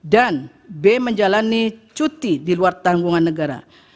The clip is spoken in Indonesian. dan b menjalani cuti di luar tanggungan negara